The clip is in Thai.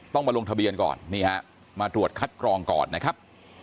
ต้องมาลงทะเบียนก่อนนี่ฮะมาตรวจคัดกรองก่อนนะครับ